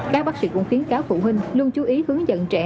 các bác sĩ cũng khuyến cáo phụ huynh luôn chú ý hướng dẫn trẻ